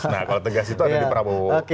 nah kalau tegas itu ada di prabowo